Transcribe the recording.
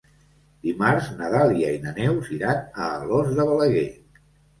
Dimarts na Dàlia i na Neus iran a Alòs de Balaguer.